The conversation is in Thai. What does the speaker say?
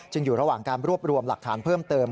อยู่ระหว่างการรวบรวมหลักฐานเพิ่มเติม